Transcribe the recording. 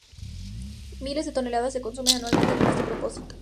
Miles de toneladas se consumen anualmente con este propósito.